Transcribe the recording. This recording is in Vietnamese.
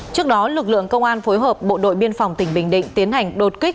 trước đó lực lượng công an phối hợp bộ đội biên phòng tỉnh bình định tiến hành đột kích